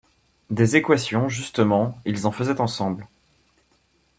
Des équations, justement, ils en faisaient ensemble.